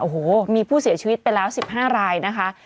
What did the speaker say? โอ้โหมีผู้เสียชีวิตไปแล้ว๑๕รายนะคะ